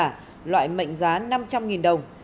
ngoài mệnh giá năm trăm linh nghìn đồng